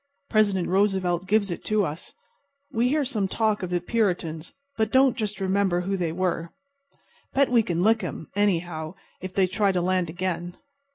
President Roosevelt gives it to us. We hear some talk of the Puritans, but don't just remember who they were. Bet we can lick 'em, anyhow, if they try to land again.